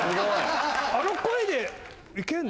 あの声でいけんの？